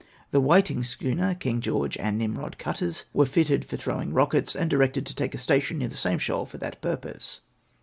The Whiting schooner, Kljig George, and Ninirod cutters, were fitted for throwing rockets, and directed to take a station near the same shoal for that purpose.